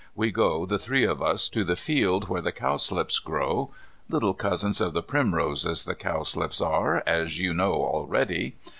We go, the three of us, to the field where the cowslips grow. Little cousins of the primroses the cowslips are, as you know already.